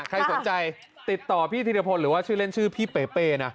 ใครสนใจติดต่อพี่ธีรพลหรือว่าชื่อเล่นชื่อพี่เปเป้นะ